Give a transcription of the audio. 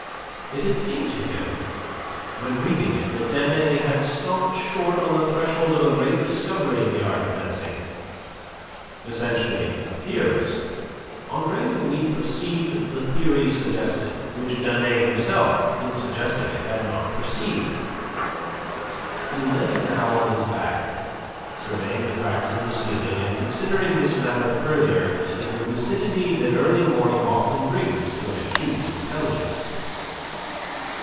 It had seemed to him when reading it that Danet had stopped short on the threshold of a great discovery in the art of fencing. Essentially a theorist, Andre Louis perceived the theory suggested, which Danet himself in suggesting it had not perceived. He lay now on his back, surveying the cracks in the ceiling and considering this matter further with the lucidity that early morning often brings to an acute intelligence.